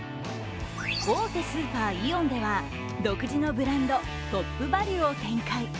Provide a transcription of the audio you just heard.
大手スーパー・イオンでは、独自のブランド、トップバリュを展開。